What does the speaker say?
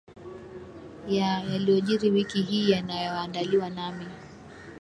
ya yaliojiri wiki hii yanayoandaliwa nami